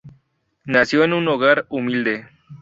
Nació en un hogar humilde.